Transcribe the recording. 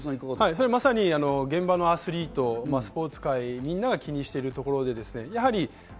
まさに現場のアスリート、スポーツ界、みんなが気にしているところです。